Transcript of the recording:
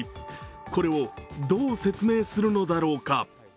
これをどう説明するのだろうか。